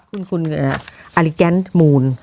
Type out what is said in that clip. คุณอลิแกนมูล